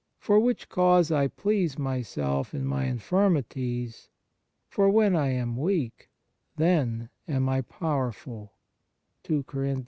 For which cause I please myself in my infirmities ... for when I am weak then am I powerful." 2 1 John x.